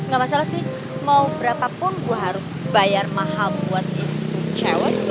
gak masalah sih mau berapa pun gue harus bayar mahal buat ibu cewek